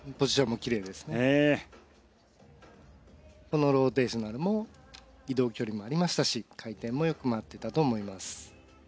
このローテーショナルも移動距離もありましたし回転もよく回ってたと思います。